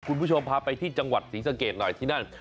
คุณผู้ชมพาไปที่จังหวัดศรีสะเกดหน่อยที่นั่น